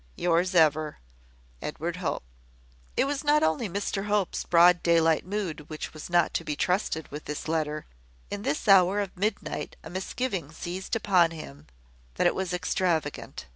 "Yours ever, "Edward Hope." It was not only Mr Hope's broad daylight mood which was not to be trusted with this letter. In this hour of midnight a misgiving seized upon him that it was extravagant.